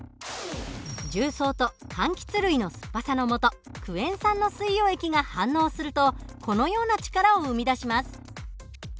重曹と柑橘類の酸っぱさのもとクエン酸の水溶液が反応するとこのような力を生み出します。